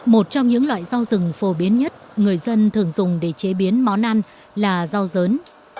một trong những loại rau rừng phổ biến nhất người dân thường dùng để chế biến món ăn là rau dớn